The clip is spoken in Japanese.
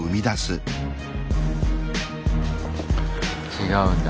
違うんだ。